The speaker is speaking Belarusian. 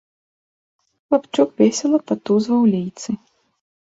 Хлапчук весела патузваў лейцы.